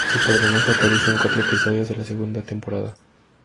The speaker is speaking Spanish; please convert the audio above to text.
Su personaje aparece en cuatro episodios de la segunda temporada.